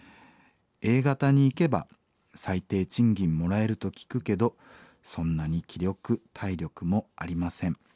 Ａ型に行けば最低賃金もらえると聞くけどそんなに気力体力もありません。